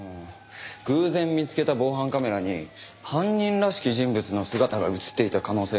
偶然見つけた防犯カメラに犯人らしき人物の姿が映っていた可能性があって。